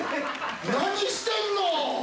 何してんの！？